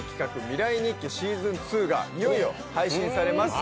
「未来日記ＳＥＡＳＯＮ２」がいよいよ配信されます